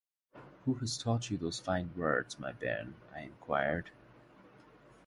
‘Who has taught you those fine words, my bairn?’ I inquired.